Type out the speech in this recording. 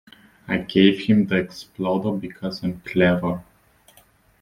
I gave him the explodo because I am clever.